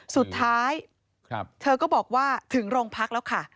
สุดท้ายเธอก็บอกว่าถึงโรงพักแล้วค่ะ